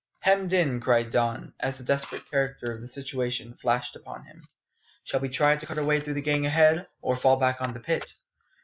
Hemmed in!" cried Don, as the desperate character of the situation flashed upon him. "Shall we try to cut our way through the gang ahead, or fall back on the pit?"